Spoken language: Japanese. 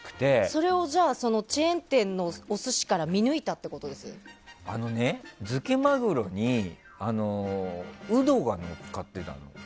それをじゃあチェーン店のお寿司からあのね、漬けマグロにウドがのっかってたの。